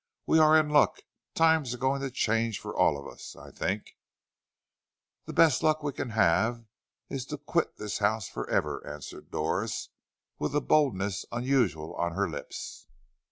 "We are in luck! Times are going to change for us all, I think." "The best luck we can have is to quit this house forever," answered Doris, with a boldness unusual on her lips.